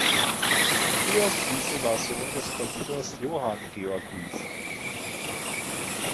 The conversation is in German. Georg Wiese war Sohn des Konditors Johann Georg Wiese.